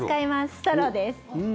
ストローです。